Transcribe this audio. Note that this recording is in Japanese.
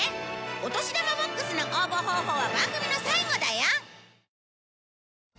お年玉ＢＯＸの応募方法は番組の最後だよ！